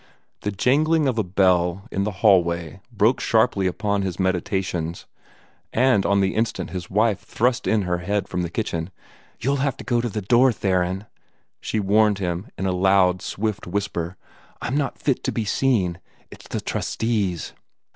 The jangling of a bell in the hallway broke sharply upon his meditations, and on the instant his wife thrust in her head from the kitchen. "You'll have to go to the door, Theron!" she warned him, in a loud, swift whisper. "I'm not fit to be seen. It is the trustees."